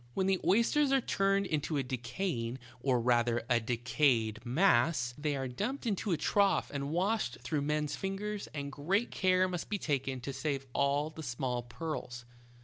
When the oysters are turned into a IN A shark's mouth. 71 decaying, or rather, a decayed mass, they are dumped into a trough and washed through men's fingers, and great care must be taken to save all the small pearls.